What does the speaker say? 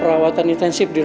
eva tadi kesana bu